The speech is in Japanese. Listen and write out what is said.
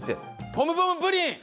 ポムポムプリンだ！